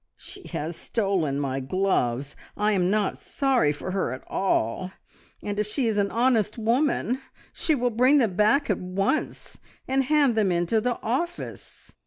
"She has stolen my gloves. I'm not sorry for her at all, and if she is an honest woman she will bring them back at once and hand them in to the office.